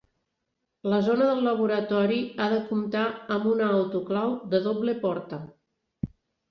La zona del laboratori ha de comptar amb una autoclau de doble porta.